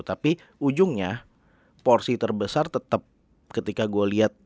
tapi ujungnya porsi terbesar tetep ketika gue liat